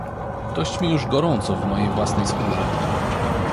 "Dość mi już gorąco w mojej własnej skórze."